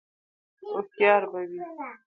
_هوښيار به وي؟